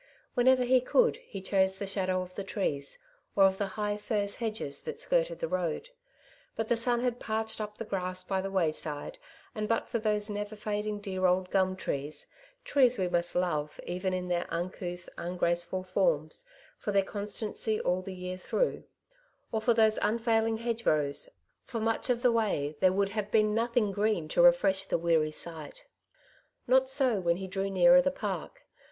Whenever he could, he chose the shadow of the trees, or of the high furze hedges that skirted the road ; bat the sun had parched up the grass by the wayside, and but for those never fading dear old gum trees — trees we must love, even in their uncouth, ungraceful forms, for their constancy all the year through — or for those un failing hedgerows, for much of the way there would have been nothing green to refresh the weary sight. Not so when he drew nearer the Park.